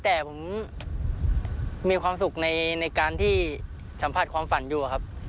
แต่ผมมีความสุขในการที่สัมผัสความฝันอยู่ครับ